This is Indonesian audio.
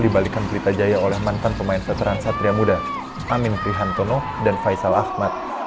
tapi kita jadi satu tim